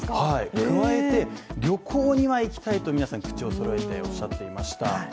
加えて旅行には行きたいと皆さん口をそろえておっしゃっていました。